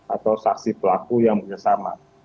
atau saksi pelaku yang bersama